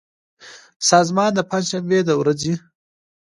سازمان د پنجشنبې د ورځې